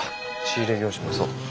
仕入れ業者もそう。